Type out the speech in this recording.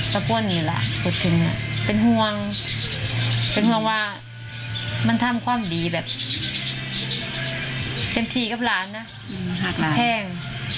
ก็พูดนี่แหละเป็นห่วงเป็นห่วงว่ามันทำความดีแบบเต็มทีกับหลานนะแห้ง